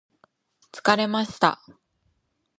疲れました